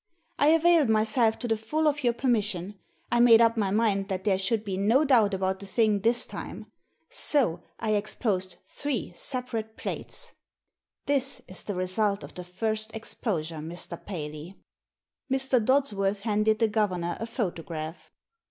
I availed myself to the full of your permission. I made up my mind that there should be no doubt about the thing this time. So I exposed three separate plates. This is the result of the first exposure, Mr. Paley." Mr. Dodsworth handed the governor a photograph.